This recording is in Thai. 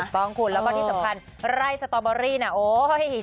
ถูกต้องคุณแล้วก็ที่สำคัญไร่สตอเบอรี่น่ะโอ้ย